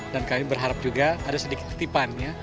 dan kami berharap juga ada sedikit ketipan